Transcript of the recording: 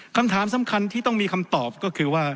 คำถามสำคัญที่ต้องมีคำตอบก็คือว่า